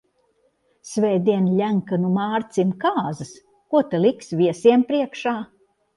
Svētdien Ļenkanu Mārcim kāzas, ko ta liks viesiem priekšā?